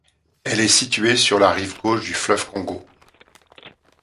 Elle est située sur la rive gauche du fleuve Congo.